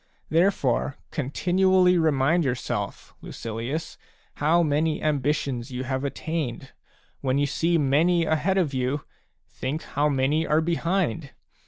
Therefore continually remind yourself, Lucilius, how many ambitions you have attained. When you see many ahead of you, think how many are behind